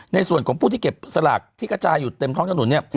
ในส่วนของผู้ที่เก็บสลากที่กระจายอยู่เต็มท้องถนนเนี่ย